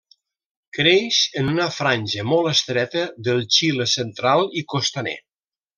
Creix en una franja molt estreta del Xile central i costaner.